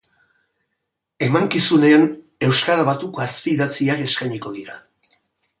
Emankizunean, euskara batuko azpidatziak eskainiko dira.